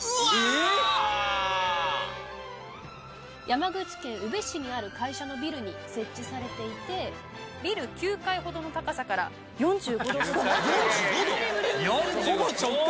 山口県宇部市にある会社のビルに設置されていてビル９階ほどの高さから４５度ほどの。